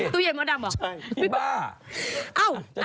ตู้เย็นมดดำเหรอ